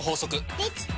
できた！